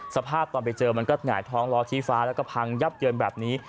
สภาพตอนไปเจอมันก็หงายท้องล้อชี้ฟ้าแล้วก็พังยับเยินแบบนี้